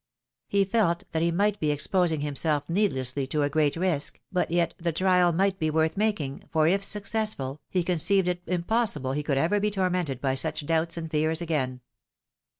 He felt that he might be exposing himself needlessly to a great risk, but yet the trial might be worth making, for, if successful, he conceived it impossible he could ever be tormented by such doubts and feaTs again.